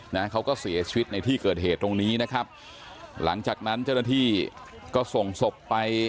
นะเขาก็เสียชีวิตในที่เกิดเหตุตรงนี้นะครับหลังจากนั้นเจ้าหน้าที่ก็ส่งศพไป